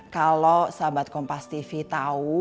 kalau sahabat kompas tv tahu